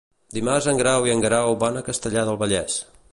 Dimarts en Grau i en Guerau van a Castellar del Vallès.